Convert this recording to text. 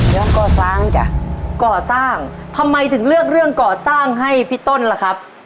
ก่อฟ้างจ้ะก่อสร้างทำไมถึงเลือกเรื่องก่อสร้างให้พี่ต้นล่ะครับ